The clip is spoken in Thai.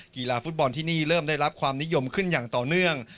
กีฬาฟุตบอลที่นี่เริ่มได้รับความนิยมขึ้นอย่างต่อเนื่อง